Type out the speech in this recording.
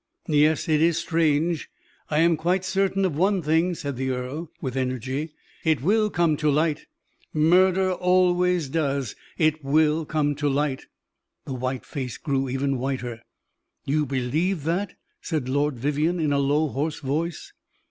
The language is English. "Yes, it is strange. I am quite certain of one thing," said the earl, with energy; "it will come to light murder always does it will come to light." The white face grew even whiter. "You believe that?" said Lord Vivianne, in a low, hoarse voice.